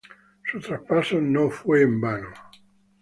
Su traspaso no fue en vano.